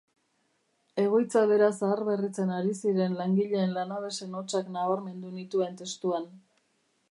Egoitza bera zaharberritzen ari ziren langileen lanabesen hotsak nabarmendu nituen testuan.